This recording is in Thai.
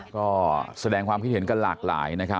ก็แสดงความคิดเห็นกันหลากหลายนะครับ